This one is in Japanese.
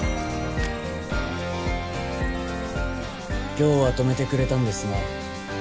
今日は止めてくれたんですね